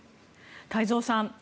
太蔵さん